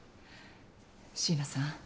椎名さん